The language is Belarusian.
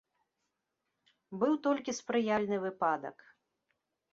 Быў толькі спрыяльны выпадак.